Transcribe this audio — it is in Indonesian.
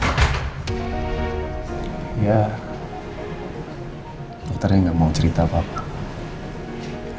ya dokternya nggak mau cerita apa apa